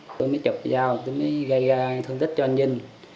tôi mới chụp dao tôi mới gây ra thương tích cho anh vinh